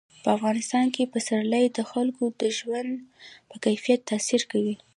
په افغانستان کې پسرلی د خلکو د ژوند په کیفیت تاثیر کوي.